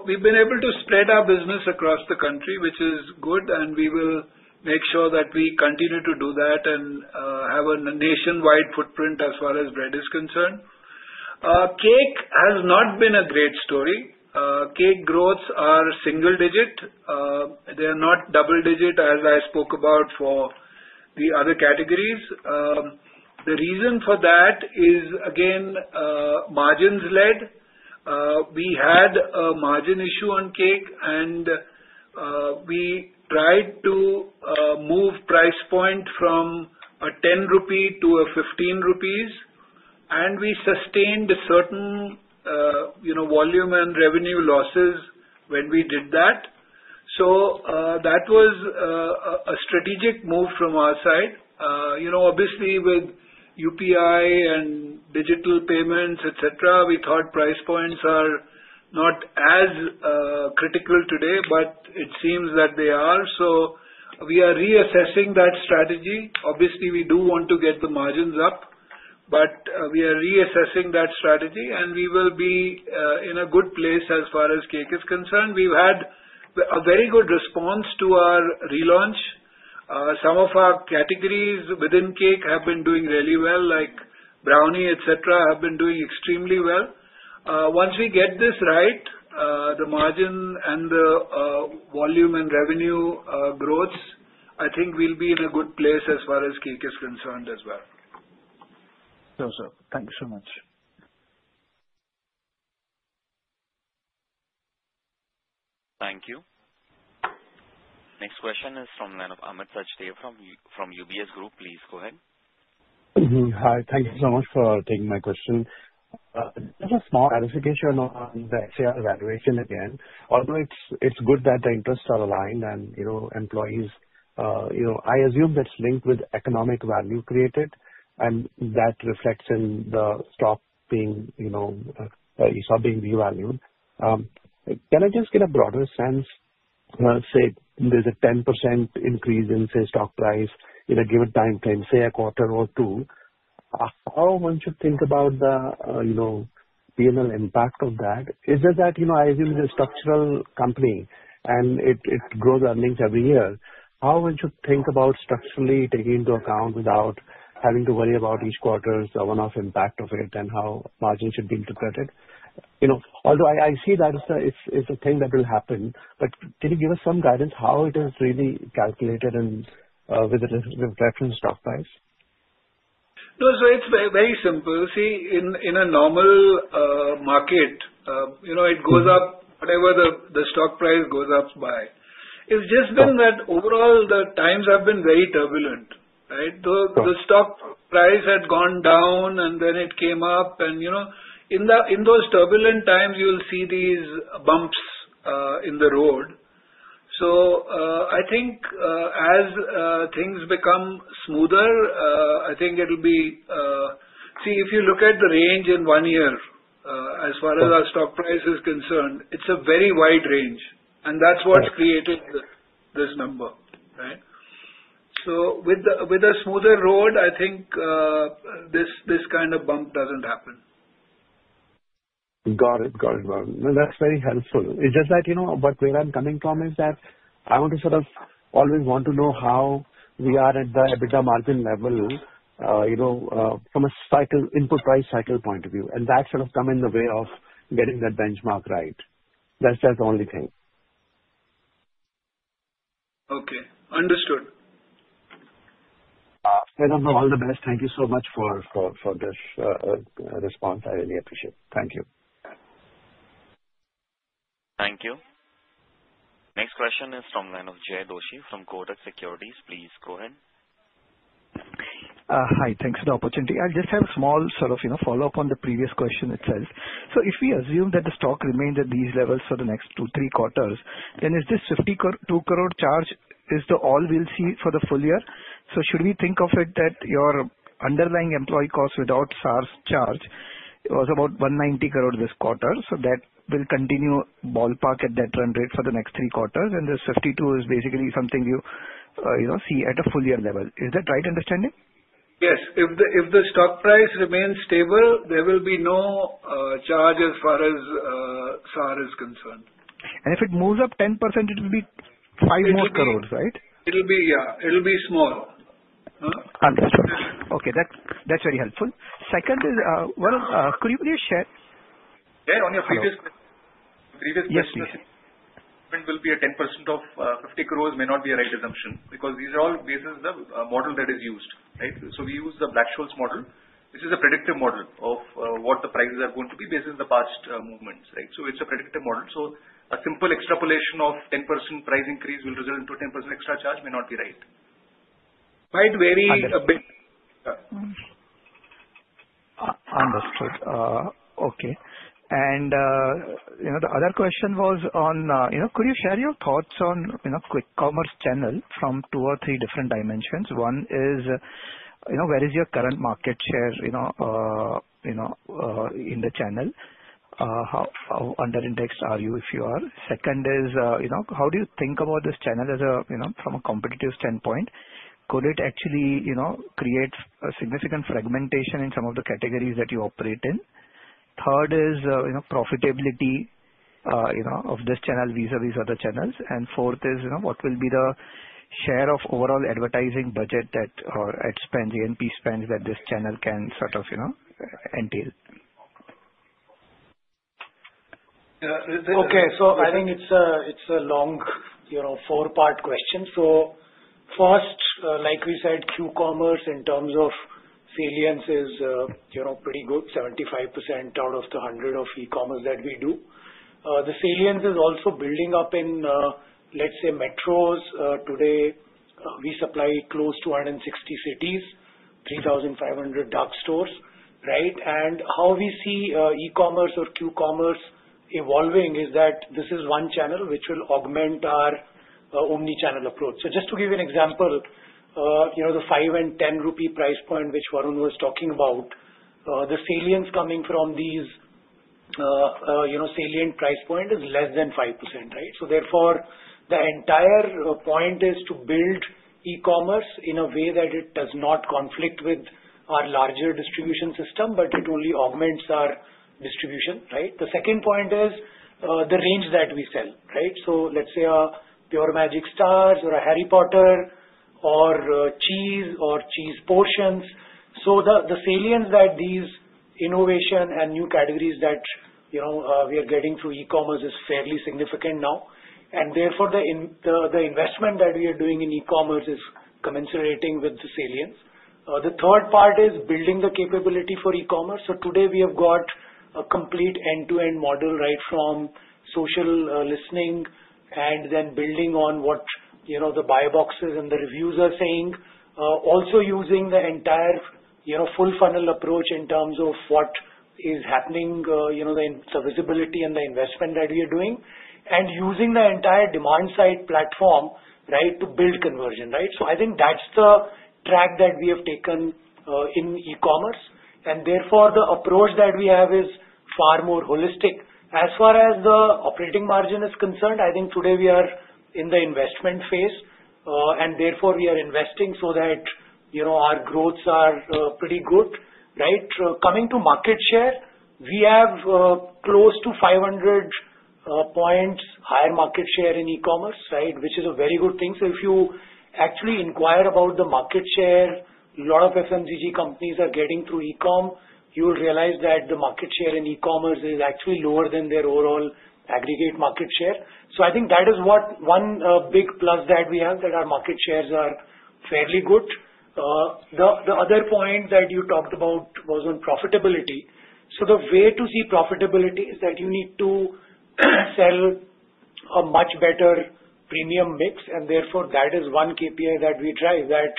We've been able to spread our business across the country, which is good. We will make sure that we continue to do that and have a nationwide footprint. As far as bread is concerned, cake has not been a great story. Cake growths are single digit, they're not double digit as I spoke about for the other categories. The reason for that is again, margins led. We had a margin issue on cake, and we tried to move price point from 10-15 rupee, and we sustained certain volume and revenue losses when we did that. That was a strategic move from our side. Obviously, with UPI and digital payments, etc., we thought price points are not as critical today, but it seems that they are. We are reassessing that strategy. Obviously, we do want to get the margins up, but we are reassessing that strategy, and we will be in a good place as far as cake is concerned. We've had a very good response to our relaunch. Some of our categories within cake have been doing really well, like Brownie, etc., have been extremely well. Once we get this right, the margin and the volume and revenue growths, I think we'll be in a good place as far as cake is concerned as well. Thanks so much. Thank you. Next question is from Amit Sachdev from UBS Group. Please go ahead. Hi. Thank you so much for taking my question. Small clarification on the SAR evaluation again, although it's good that the interests are aligned and you know, employees, you I assume that's linked with economic value created, and that reflects in the stock being, you know, you saw being revalued can I just get a broader sense? Say there's a 10% increase in, say, stock price in a given time frame say a quarter or two how one should think about you know, P&L impact of that is I assume the structural company and it grows earnings every year. How one should think about structurally taking into account without having to worry about each quarter's one-off impact of it, and how margins should be integrated, you know Although I see that it's a thing that will happen can you give us some guidance how it is really calculated and with reference stock price? No. It's very simple. See, in a normal market, you know, it goes up whenever the stock price goes up by. It's just been that overall the times have been very turbulent. The stock price had gone down and then it came up. In those turbulent times, you'll see these bumps in the road. I think as things become smoother, I think it'll be. See, if you look at the range in one year, as far as our stock price is concerned, it's a very wide range and that's what's created this number. With a smoother road, I think this kind of bump doesn't happen. Got it, got it. That's very helpful. What I'm coming from is that I want to sort of always want to know how we are at the EBITDA margin level, you know, from a cycle input price cycle point of view that sort of come in way of getting that benchmark. Right. That's just the only thing. Okay, understood. All the best. Thank you so much for this response. I really appreciate it. Thank you. Thank you. Next question is from the line of Jay Doshi from Kotak Securities. Please go ahead. Hi. Thanks for the opportunity. I'll just have a small follow up on the previous question itself. If we assume that the stock remains at these levels for the next two or three quarters, then is this 52 Crore charge is all we'll see for the full year, should we think of it that your underlying employee cost without SARS charge was about 190 crore this quarter? That will continue ballpark at that run rate for the next three quarters, and this 52 is basically something you see at a full year level, is that right understanding? Yes. If the stock price remains stable, there will be no charge as far as SAR is concerned. If it moves up 10%, it will be. Five more crores, right? It'll be, yeah, it'll be small. Understood. Okay, that's very helpful. Second, could you please share on. Your previous, a 10% of 50 crores may not be a right assumption because these are all basis the model that is used. Right. We use the Black-Scholes model this is a predictive model of what the prices are going to be based On the past movements. Right. It's a predictive model. A simple extrapolation of 10% price increase will result into 10% extra charge may not be right. Okay. You know the other question was could you share your thoughts on quick commerce channel from two or three different dimensions. One is, where is your current market share in the channel, how under-indexed are you if you are. Second is, how do you think about this channel from a competitive standpoint? Could it actually create a significant fragmentation in some of the categories that you operate in? Third is profitability of this channel vis-à-vis these other channels. Fourth is, what will be the share of overall advertising budget or A&P spend that this channel can entail. Okay, so I think it's a long four-part question. First, like we said, Q-commerce in terms of salience is pretty good. 75% out of the 100% of e-commerce that we do. The salience is also building up in, let's say, metros. Today we supply close to 160 cities, 3,500 dark stores. How we see e-commerce or Q-commerce evolving is that this is one channel which will augment our omnichannel approach. Just to give you an example, the 5 and 10 rupee price point which Varun was talking about, the salience coming from these salient price points is less than 5%. Therefore, the entire point is to build e-commerce in a way that it does not conflict with our larger distribution system, but it only augments our distribution. The second point is the range that we sell. Let's say Pure Magic Stars or a Harry Potter or cheese or cheese potions. The salience that these innovations and new categories that we are getting through e-commerce is fairly significant now. Therefore, the investment that we are doing in e-commerce is commensurating with the salience. The third part is building the capability for e-commerce. Today we have got a complete end-to-end model right from social listening and then building on what the buy boxes and the reviews are saying, also using the entire full funnel approach in terms of what is happening, the visibility and the investment that we are doing, and using the entire demand side platform to build conversion. I think that's the track that we have taken in e-commerce and therefore the approach that we have is far more holistic. As far as the operating margin is concerned, I think today we are in the investment phase and therefore we are investing so that our growths are pretty good. Coming to market share, we have close to 500 points higher market share in e-commerce, which is a very good thing. If you actually inquire about the market share a lot of FMCG companies are getting through e-commerce, you will realize that the market share in e-commerce is actually lower than their overall aggregate market share. I think that is one big plus that we have, that our market shares are fairly good. The other point that you talked about was on profitability. The way to see profitability is that you need to sell a much better premium mix and therefore that is one KPI that we drive, that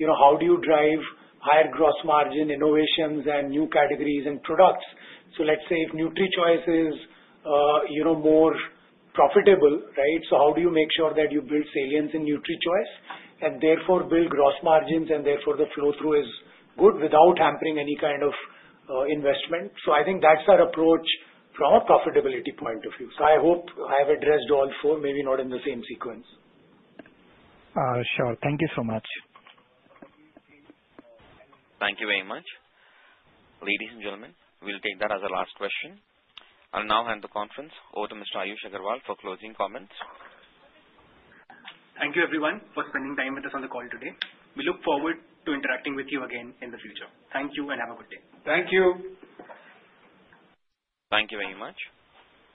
how do you drive higher gross margin innovations and new categories and products? Let's say if NutriChoice is more profitable, how do you make sure that you build salience in NutriChoice and therefore build gross margins and therefore the flow through is good without hampering any kind of investment. I think that's our approach from a profitability point of view. I hope I have addressed all four, maybe not in the same sequence. Sure, thank you so much. Thank you very much, ladies and gentlemen. We'll take that as the last question. I'll now hand the conference over to Mr. Ayush Agarwal for closing comments. Thank you everyone for spending time with us on the call today we look forward to interacting with you again in the future. Thank you and have a good day. Thank you. Thank you very much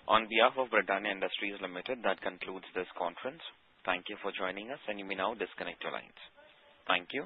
on behalf of Britannia Industries Limited. That concludes this conference. Thank you for joining us. You may now disconnect your lines. Thank you.